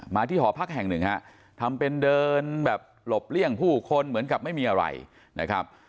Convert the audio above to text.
ที่หอพักแห่งหนึ่งฮะทำเป็นเดินแบบหลบเลี่ยงผู้คนเหมือนกับไม่มีอะไรนะครับ